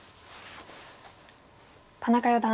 田中四段